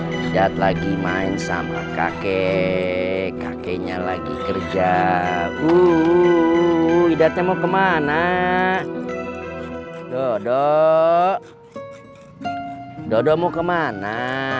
idat lagi main sama kakek kakeknya lagi kerja uu idatnya mau kemana dodo dodo mau kemana